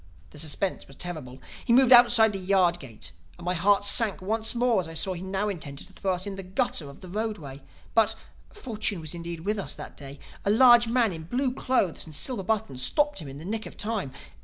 The suspense was terrible. He moved outside the yard gate and my heart sank once more as I saw that he now intended to throw us in the gutter of the roadway. But (fortune was indeed with us that day), a large man in blue clothes and silver buttons stopped him in the nick of time.